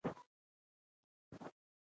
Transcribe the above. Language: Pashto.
ویل یې خدای دې تیکې تیکې کړي.